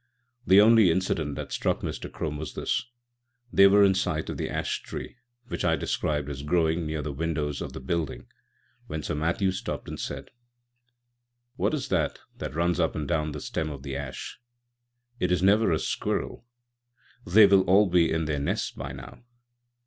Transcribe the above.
The only incident that struck Mr. Crome way this: they were in sight of the ash tree which I described as growing near the windows of the building, when Sir Matthew stopped and said: "What is that that runs up and down the stem of the ash? It is never a squirrel? They will all be in their nests by now."